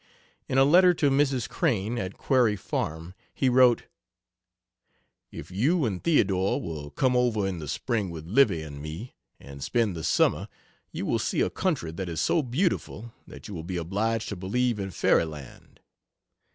In a letter to Mrs. Crane, at Quarry Farm, he wrote: "If you and Theodore will come over in the Spring with Livy and me, and spend the summer you will see a country that is so beautiful that you will be obliged to believe in Fairyland.....